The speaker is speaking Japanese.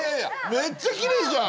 めっちゃきれいじゃん！